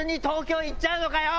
東京行っちゃうのか？